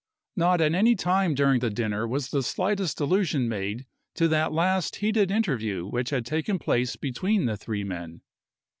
Not at any time during the dinner was the slightest allusion made to that last heated interview which had taken place between the three men.